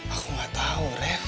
aku gak tau ref